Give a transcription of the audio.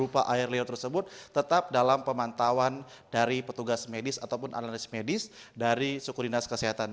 berupa air liur tersebut tetap dalam pemantauan dari petugas medis ataupun analis medis dari suku dinas kesehatan